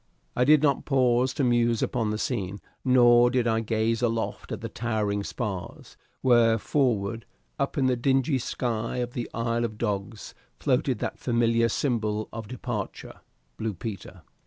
I did not pause to muse upon the scene, nor did I gaze aloft at the towering spars, where, forward, up in the dingy sky of the Isle of Dogs, floated that familiar symbol of departure, Blue Peter.